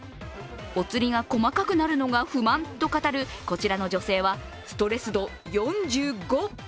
お釣りが細かくなるのが不満と語るこちらの女性は、ストレス度４５。